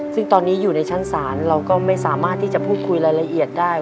ซึ่งตอนนี้อยู่ในชั้นศาลเราก็ไม่สามารถที่จะพูดคุยรายละเอียดได้